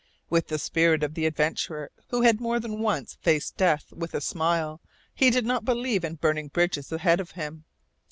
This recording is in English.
With the spirit of the adventurer who had more than once faced death with a smile, he did not believe in burning bridges ahead of him.